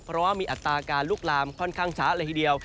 เพราะว่ามีอัตราการลุกลามค่อนข้างช้าเลยทีเดียว